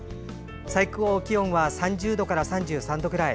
最高気温は３０度から３３度くらい。